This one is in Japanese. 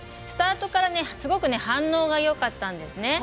スタートからすごく反応がよかったんですね。